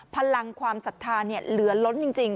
พลังความศรัทธาเหลือล้นจริง